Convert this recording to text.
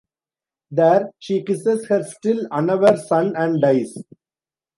There, she kisses her still-unaware son and dies.